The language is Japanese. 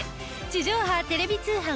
地上波テレビ通販